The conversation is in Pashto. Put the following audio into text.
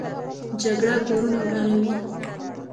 جګړه کورونه ورانوي